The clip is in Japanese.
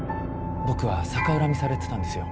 僕は逆恨みされてたんですよ。